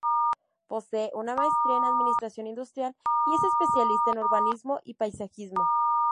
Posee una Maestría en Administración Industrial y es especialista en Urbanismo y Paisajismo.